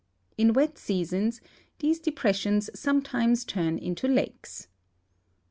In wet seasons tliese depres sions sometimes turn into lakes.